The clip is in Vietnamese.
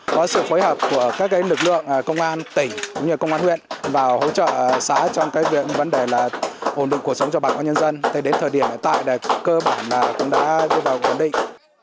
có sự phối hợp của các lực lượng công an tỉnh cũng như công an huyện và hỗ trợ xã trong việc vấn đề ổn định cuộc sống cho bà co nhân dân đến thời điểm hiện tại cơ bản cũng đã được ổn định